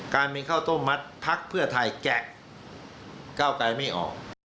การเป็นเข้าต้มมัดพักเพื่อไทยแกะเก้าไกรไม่ออก